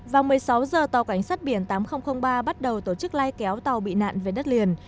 vào một mươi sáu giờ tàu cảnh sát biển tám nghìn ba bắt đầu tổ chức lai kéo tàu bị nạn về đất liền